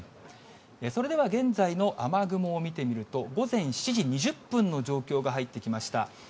それでは現在の雨雲を見てみると、午前７時２０分の状況が入ってきました。